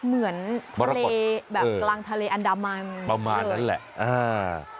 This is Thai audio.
เหมือนทะเลแบบกลางทะเลอันดามันประมาณนั้นแหละอ่า